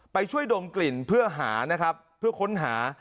ไปช่วยดมกลิ่นเพื่อหานะครับเพื่อค้นหา